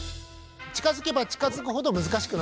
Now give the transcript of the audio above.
近づけば近づくほど難しくなっちゃう。